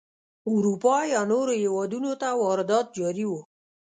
اروپا یا نورو هېوادونو ته واردات جاري وو.